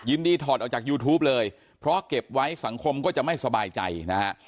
ถอดออกจากยูทูปเลยเพราะเก็บไว้สังคมก็จะไม่สบายใจนะฮะ